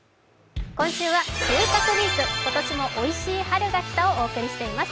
今週は「収穫ウィーク今年もおいしい春が来た！」をお送りしています。